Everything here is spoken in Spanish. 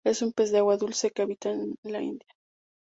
Es un pez de agua dulce que habita en la India.